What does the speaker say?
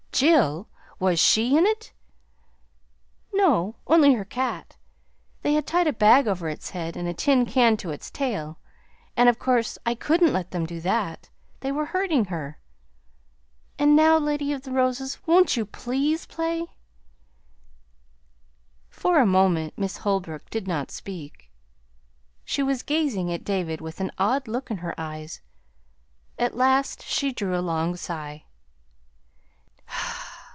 "Jill! Was she in it?" "No, only her cat. They had tied a bag over its head and a tin can to its tail, and of course I couldn't let them do that. They were hurting her. And now, Lady of the Roses, won't you please play?" For a moment Miss Holbrook did not speak. She was gazing at David with an odd look in her eyes. At last she drew a long sigh.